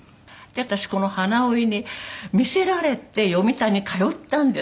私この花織に魅せられて読谷に通ったんです